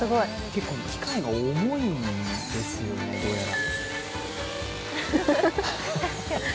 結構機械が重いんですよね、どうやら。